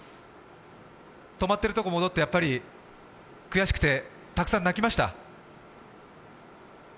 止まってるところ戻って、悔しくてたくさん泣きました？